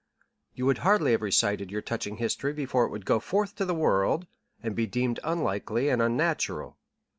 You would hardly have recited your touching history before it would go forth to the world, and be deemed unlikely and unnatural.